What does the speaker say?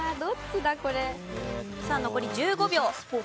さあ残り１５秒。